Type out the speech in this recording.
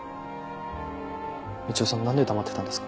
みちおさん何で黙ってたんですか。